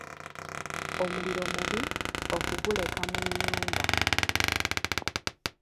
Omuliro mubi okuguleka mu nnyumba.